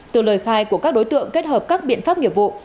từ lời khai của các đối tượng kết hợp các biện pháp nghiệp vụ